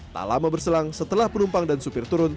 tak lama berselang setelah penumpang dan supir turun